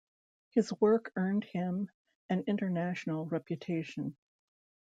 His work earned him an international reputation.